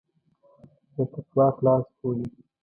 له تقوا خلاص بولي.